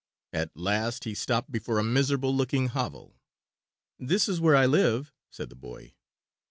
At last he stopped before a miserable looking hovel. "This is where I live," said the boy.